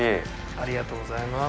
ありがとうございます。